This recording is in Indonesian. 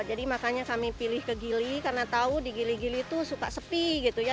jadi makanya kami pilih ke gili karena tahu di gili gili itu suka sepi gitu ya